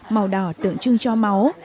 màu đỏ tượng trưng cho máu